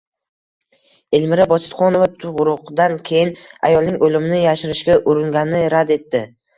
Elmira Bositxonova tug‘uruqdan keyin ayolning o‘limini yashirishga uringanini rad etdi